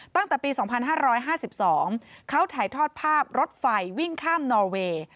ตั้งแต่ปี๒๕๕๒เขาถ่ายทอดภาพรถไฟวิ่งข้ามนอเวย์